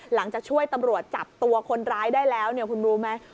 หลังจากช่วยตำรวจจับตัวคนร้ายได้แล้วเนี่ยคุณรู้ไหม